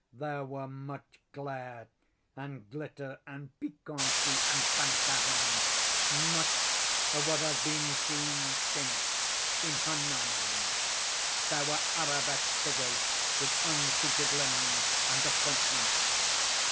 There were much glare and glitter and piquancy and phantasm—much of what has been since seen in "Hernani." There were arabesque figures with unsuited limbs and appointments.